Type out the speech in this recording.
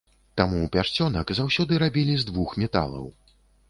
Таму пярсцёнак заўсёды рабілі з двух металаў.